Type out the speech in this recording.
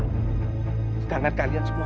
sekarang kalian semua